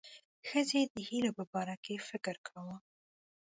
ښځې د هیلو په باره کې فکر کاوه.